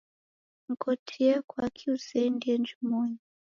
Mkotie kwaki useendie njumonyi.